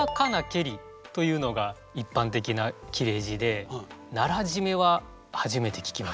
「けり」というのが一般的な切れ字でならじめは初めて聞きました。